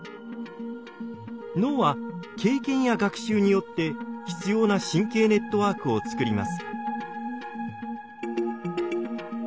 脳は経験や学習によって必要な神経ネットワークを作ります。